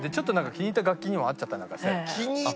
気に入った楽器に会っちゃった？